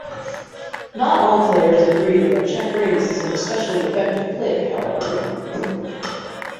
Not all players agree that a check-raise is an especially effective play, however.